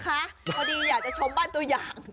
พอดีอยากจะชมบ้านตัวอย่าง